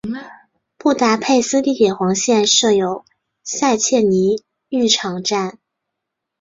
布达佩斯地铁黄线设有塞切尼浴场站。